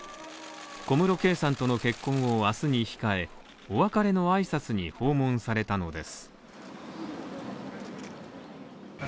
小室圭さんとの結婚を明日に控えお別れの挨拶に訪問されたのです。